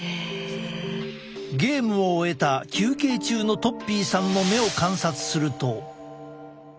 ゲームを終えた休憩中のとっぴーさんの目を観察すると。